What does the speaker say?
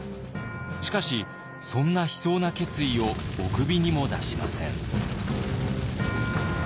しかしそんな悲壮な決意をおくびにも出しません。